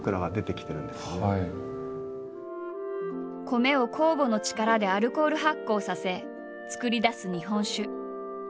米を酵母の力でアルコール発酵させ造り出す日本酒。